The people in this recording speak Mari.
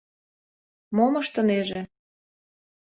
Мом ыштынеже?..